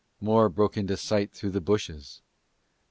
More broke into sight through the bushes.